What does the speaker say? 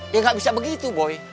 ya nggak bisa begitu boy